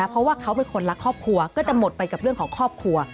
เพราะว่าเขาเป็นคนรักครอบครัวก็จะหมดไปกับเรื่องของครอบครัว